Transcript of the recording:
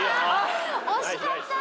惜しかった！